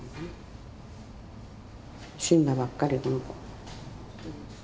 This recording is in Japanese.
死んだばっかりこの子。